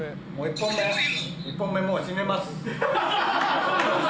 １本目、もう締めます。